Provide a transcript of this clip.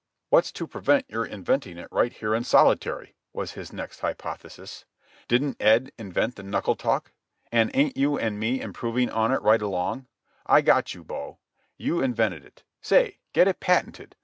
"What's to prevent your inventing it right here in solitary?" was his next hypothesis. "Didn't Ed invent the knuckle talk? And ain't you and me improving on it right along? I got you, bo. You invented it. Say, get it patented.